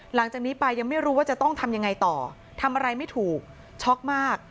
หลังจากนี้ไปยังไม่รู้ว่าจะต้องทำยังไงต่อทำอะไรไม่ถูกช็อกมาก